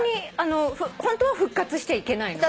ホントは復活しちゃいけないの？